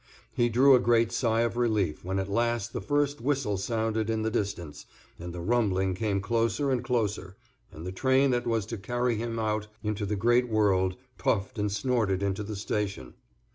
He drew a great sigh of relief when at last the first whistle sounded in the distance, and the rumbling came closer and closer, and the train that was to carry him out into the great world puffed and snorted into the station.